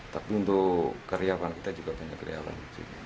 tapi untuk karyawan kita juga punya karyawan